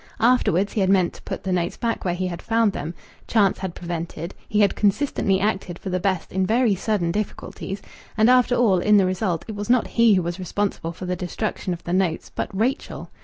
Afterwards he had meant to put the notes back where he had found them; chance had prevented; he had consistently acted for the best in very sudden difficulties, and after all, in the result, it was not he who was responsible for the destruction of the notes, but Rachel....